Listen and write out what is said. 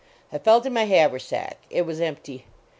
I felt in my haversack. It was empty.